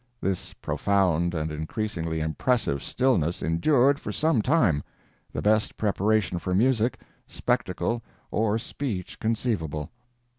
This profound and increasingly impressive stillness endured for some time—the best preparation for music, spectacle, or speech conceivable.